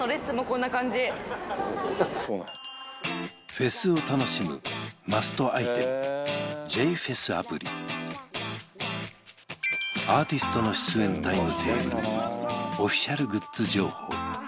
フェスを楽しむマストアイテムアーティストの出演タイムテーブルにオフィシャルグッズ情報